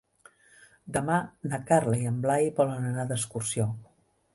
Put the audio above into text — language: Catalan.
Demà na Carla i en Blai volen anar d'excursió.